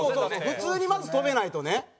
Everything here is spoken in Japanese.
普通にまず跳べないとね。